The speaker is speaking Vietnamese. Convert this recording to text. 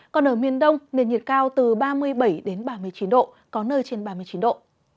còn ở miền đông nền nhiệt cao từ ba mươi bảy ba mươi chín độ có nơi trên ba mươi chín độ